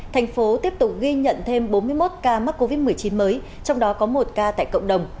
thành phố tiếp tục ghi nhận thêm bốn mươi một ca mắc covid một mươi chín mới trong đó có một ca tại cộng đồng